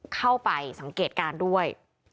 เข้าไปสังเกตการณ์ด้วย